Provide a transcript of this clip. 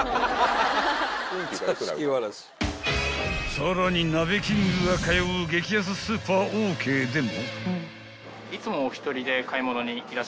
［さらに鍋キングが通う激安スーパーオーケーでも］